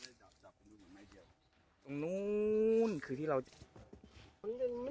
ตรงนู้นคือที่เรา